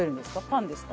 パンですか？